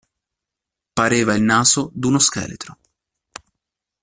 Pareva il naso d'uno scheletro.